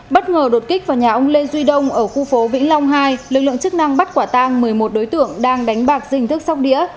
bất ngờ đột kích vào nhà ông lê duy đông ở khu phố vĩnh long hai lực lượng chức năng bắt quả tang một mươi một đối tượng đang đánh bạc dình thức sóc đĩa